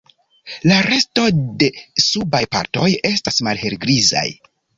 La resto de subaj partoj estas malhelgrizaj.